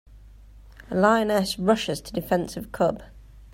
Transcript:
Lioness Rushes to Defense of Cub.